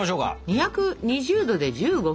２２０℃で１５分！